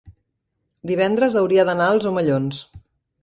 divendres hauria d'anar als Omellons.